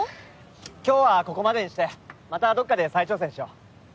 今日はここまでにしてまたどこかで再挑戦しよう。